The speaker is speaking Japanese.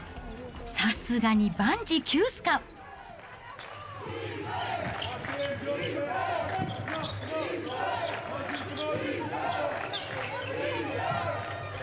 さすがに万事休すか。